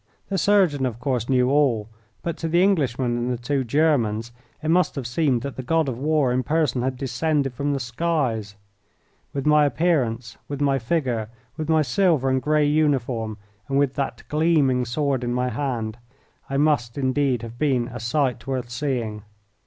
The surgeon, of course, knew all, but to the Englishman and the two Germans it must have seemed that the god of war in person had descended from the skies. With my appearance, with my figure, with my silver and grey uniform, and with that gleaming sword in my hand, I must indeed have been a sight worth seeing.